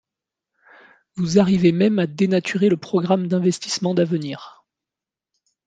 Vous arrivez même à dénaturer le programme d’investissement d’avenir